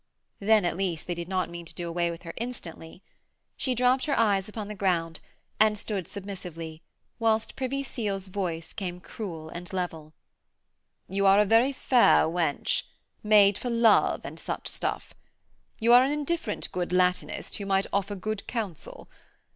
Then, at least, they did not mean to do away with her instantly. She dropped her eyes upon the ground and stood submissively whilst Privy Seal's voice came cruel and level: 'You are a very fair wench, made for love and such stuff. You are an indifferent good Latinist who might offer good counsel.